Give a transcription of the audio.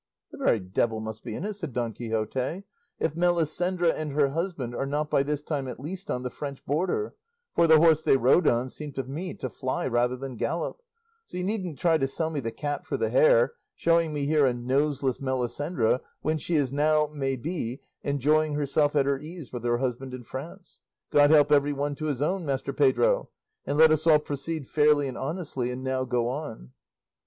"The very devil must be in it," said Don Quixote, "if Melisendra and her husband are not by this time at least on the French border, for the horse they rode on seemed to me to fly rather than gallop; so you needn't try to sell me the cat for the hare, showing me here a noseless Melisendra when she is now, may be, enjoying herself at her ease with her husband in France. God help every one to his own, Master Pedro, and let us all proceed fairly and honestly; and now go on."